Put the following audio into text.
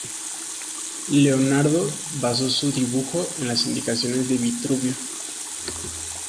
Leonardo basó su dibujo en las indicaciones de Vitruvio.